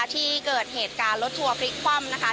ที่เกิดเหตุการณ์รถทัวร์พลิกคว่ำนะคะ